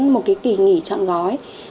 một cái kỳ nghỉ chọn gói